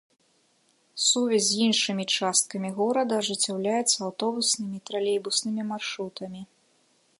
Сувязь з іншымі часткамі горада ажыццяўляецца аўтобуснымі і тралейбуснымі маршрутамі.